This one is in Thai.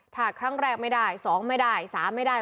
ถ้าครั้งแรกไม่ได้๒ไม่ได้๓ไม่ได้